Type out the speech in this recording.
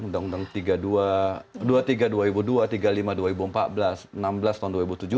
undang undang dua puluh tiga dua ribu dua tiga puluh lima dua ribu empat belas enam belas tahun dua ribu tujuh belas